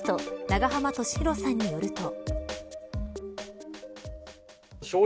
永濱利廣さんによると。